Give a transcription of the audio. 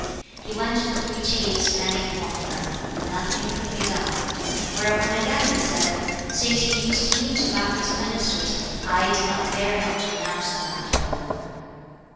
'" He went to the Three Chiefs and informed them, but nothing could be done. Whereupon again he said, "Since he uses me to back his ministers, I did not dare not to announce the matter."